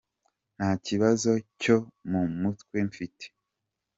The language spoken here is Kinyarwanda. Nta kibazo cyo mu mutwe mfite.